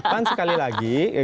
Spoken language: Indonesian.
pan sekali lagi